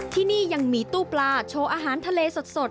ที่นี่ยังมีตู้ปลาโชว์อาหารทะเลสด